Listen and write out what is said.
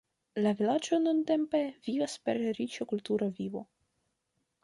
La vilaĝo nuntempe vivas per riĉa kultura vivo.